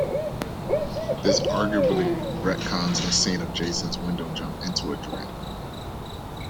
This arguably retcons the scene of Jason's window jump into a dream.